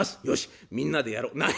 「よしみんなでやろう」。